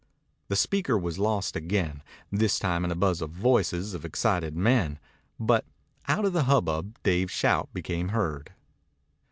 The speaker was lost again, this time in a buzz of voices of excited men. But out of the hubbub Dave's shout became heard.